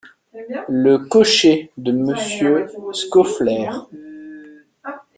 Le cocher de Monsieur Scaufflaire.